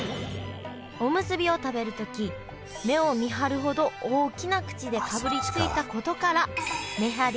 おむすびを食べるとき目をみはるほど大きな口でかぶりついたことからめはり